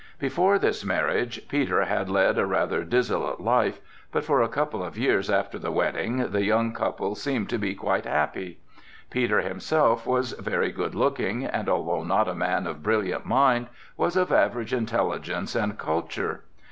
Before his marriage, Peter had led a rather dissolute life, but for a couple of years after the wedding the young couple seemed to be quite happy. Peter himself was very good looking and, although not a man of brilliant mind, was of average intelligence and culture.